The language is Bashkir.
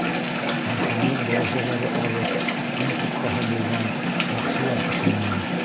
Тарханлыҡ дәрәжәләре алып, ил тотҡаһы булған яҡшылар тоҡомонан.